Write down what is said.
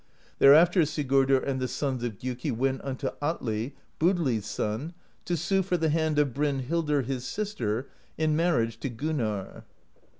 Thereafter Sigurdr and the sons of Gjuki went unto Atli, Budli's son, to sue for the hand of Brynhildr his sister in marriage to Gunnarr.